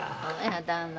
旦那